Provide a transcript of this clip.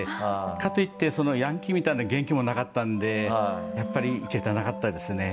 かといってヤンキーみたいな元気もなかったんでやっぱりイケてなかったですね。